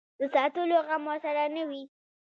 د ساتلو غم ورسره نه وي.